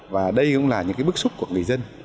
và đây cũng là những cái bước xúc của người dân